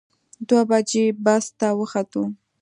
دوه بجې بس ته وختو.